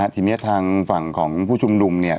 ทีนี้ทางฝั่งของผู้ชุมนุมเนี่ย